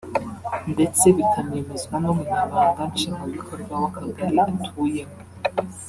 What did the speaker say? ndetse bikanemezwa n’Umunyamabanga Nshingwabikorwa w’Akagari atuyemo